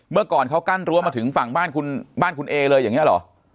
เมื่อก่อนเขากั้นรั้วมาถึงฝั่งบ้านคุณเอเลยอย่างนี้เหรอ